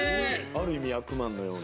ある意味役満のような。